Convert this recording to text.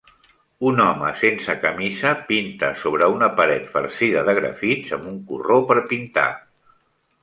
Un home sense camisa pinta sobre una paret farcida de grafits amb un corró per pintar.